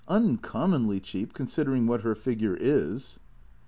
" Uncommonly cheap — considering what her figure is."